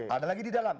ada lagi di dalam